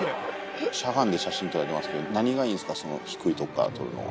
しゃがんで写真撮られてますけど、何がいいんですか、その低い所から撮るのは。